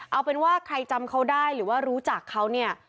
เอาเป็นว่าใครจำเขาได้หรือว่ารู้จักเขาเนี่ย